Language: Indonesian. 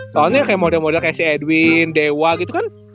soalnya kayak model model kayak si edwin dewa gitu kan